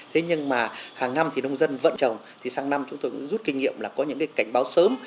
thế nhưng mà hàng năm nông dân vẫn trồng thì sang năm chúng tôi rút kinh nghiệm là có những cảnh báo sớm